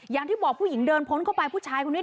อย่างที่บอกผู้หญิงเดินพ้นเข้าไป